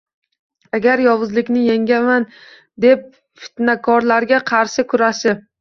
Agar yovuzlikni yengaman, deb fitnakorlarga qarshi kurashib